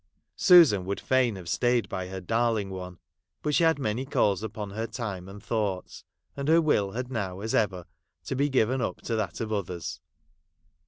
Susan would fain have stayed by her darling one ; but she had many calls upon her time and thoughts, and her will had now, as ever, to be given up to that of others.